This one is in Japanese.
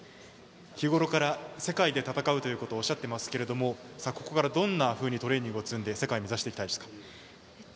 日ごろから世界で戦うとおっしゃっていますがここからどんなふうにトレーニングを積んで世界を目指していきたいですか？